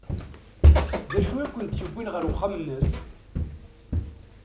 D acu ay kent-yewwin ɣer uxxam-nnes?